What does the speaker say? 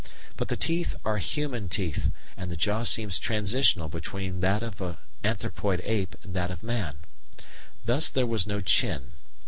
But the teeth are human teeth, and the jaw seems transitional between that of an anthropoid ape and that of man. Thus there was no chin.